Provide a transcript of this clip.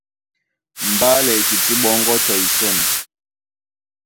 Mbálɛ e tití ɓɔ́ŋgɔ́ tɔ isɔ̂n.